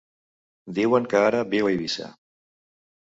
Diuen que ara viu a Eivissa.